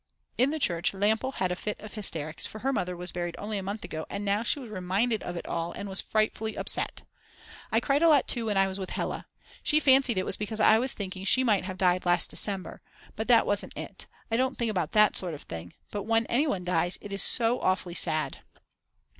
In the church Lampl had a fit of hysterics, for her mother was buried only a month ago and now she was reminded of it all and was frightfully upset. I cried a lot too when I was with Hella. She fancied it was because I was thinking she might have died last Dec. But that wasn't it, I don't think about that sort of thing. But when anyone dies it is so awfully sad.